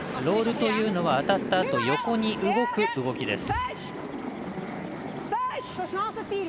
ロールというのは当たったあと横に動く動きです。